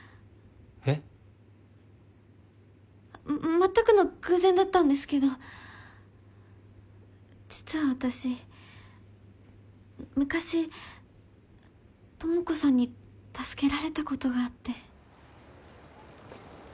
まったくの偶然だったんですけど実は私昔朋子さんに助けられたことがあって。